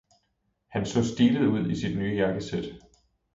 Han så stilet ud i sit nye jakkesæt.